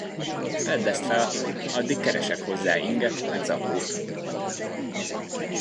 Vedd ezt fel, addig keresek hozzá inget meg zakót!